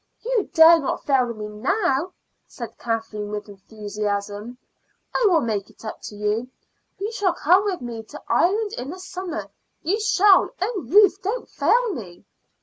You dare not fail me now," said Kathleen, with enthusiasm. "I will make it up to you. You shall come with me to Ireland in the summer. You shall. Oh Ruth, don't fail me!"